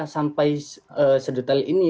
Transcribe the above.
sampai sedetail ini